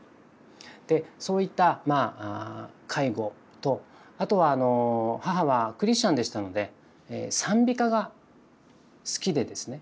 でそういった介護とあとは母はクリスチャンでしたので賛美歌が好きでですね。